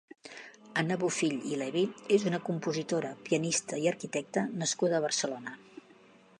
Anna Bofill i Levi és una compositora, pianista i arquitecta nascuda a Barcelona.